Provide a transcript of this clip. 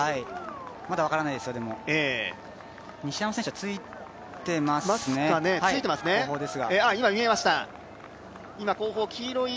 まだ分からないですよ、でも西山選手はついていますね、後方ですが。